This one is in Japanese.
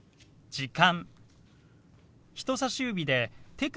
「時間」。